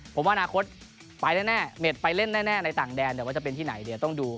ผมว่าอนาคตไปแน่เมดไปเล่นแน่ในต่างแดนจะเป็นที่ไหนต้องดู